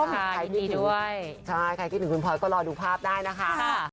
ขายดีด้วยใช่ใครคิดถึงคุณพลอยก็รอดูภาพได้นะคะ